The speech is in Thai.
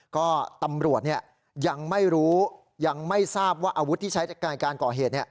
ก็ตำรวจยังไม่รู้ยังไม่ทราบว่าอาวุธที่ใช้ในการก่อเหตุ